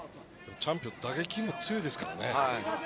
チャンピオンは打撃も強いですからね。